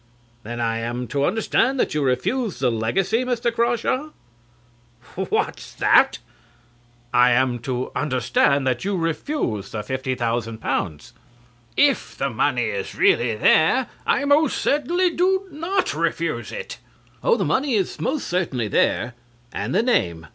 CLIFTON. Then I am to understand that you refuse the legacy, Mr. Crawshaw? CRAWSHAW (startled). What's that? CLIFTON. I am to understand that you refuse the fifty thousand pounds? CRAWSHAW. If the money is really there, I most certainly do not refuse it. CLIFTON. Oh, the money is most certainly there and the name.